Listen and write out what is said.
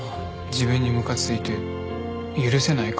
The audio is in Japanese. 自分にムカついて許せないかも。